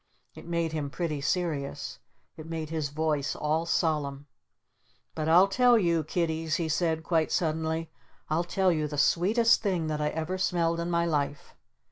It made him pretty serious. It made his voice all solemn. "But I'll tell you, Kiddies," he said quite suddenly. "I'll tell you the Sweetest Thing that I ever smelled in my life!